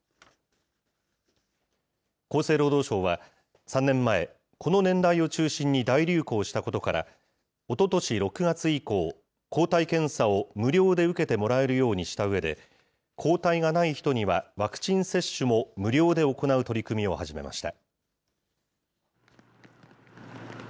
厚生労働省は、３年前、この年代を中心に大流行したことから、おととし６月以降、抗体検査を無料で受けてもらえるようにしたうえで、抗体がない人には、ワクチン接種も無料で行う取り組みを始めました。